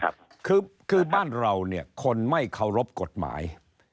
คือคือบ้านเราเนี่ยคนไม่เคารพกฎหมาย